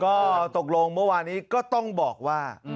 ก็ตกลงเมื่อวานี้ก็ต้องบอกว่า